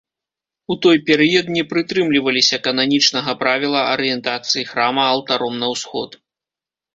У той перыяд не прытрымліваліся кананічнага правіла арыентацыі храма алтаром на ўсход.